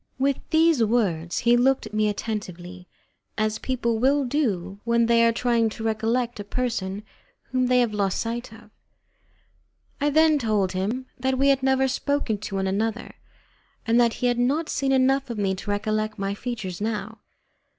With these words he looked at me attentively, as people will do when they are trying to recollect a person whom they have lost sight of. I then told him that we had never spoken to one another, and that he had not seen enough of me to recollect my features now.